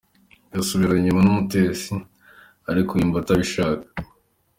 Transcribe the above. Yasubiranye inyuma n’Umutesi ariko yumva atabishaka.